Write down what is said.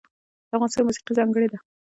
د افغانستان موسیقی ځانګړې ده